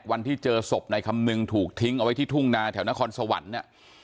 วันที่เจอศพนายคำนึงถูกทิ้งเอาไว้ที่ทุ่งนาแถวนครสวรรค์เนี่ย